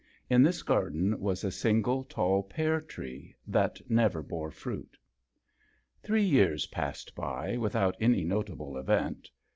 In this garden was a single tall pear tree that never bore fruit. Three years passed by without any notable event.